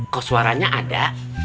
kok suaranya ada